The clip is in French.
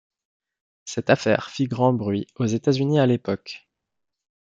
Cette affaire fit grand bruit aux États-Unis à l'époque.